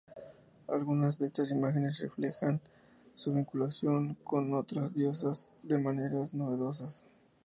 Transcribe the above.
Algunas de estas imágenes reflejaban su vinculación con otras diosas de maneras novedosas.